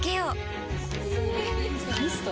ミスト？